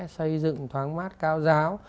xây dựng thoáng mát cao giáo